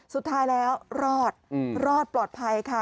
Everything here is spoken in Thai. สุดท้ายแล้วรอดรอดปลอดภัยค่ะ